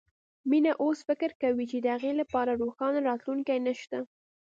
مينه اوس فکر کوي چې د هغې لپاره روښانه راتلونکی نه شته